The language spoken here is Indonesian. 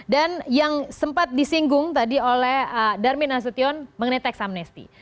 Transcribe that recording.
dan yang sempat disinggung tadi oleh darmina sution mengenai tax amnesty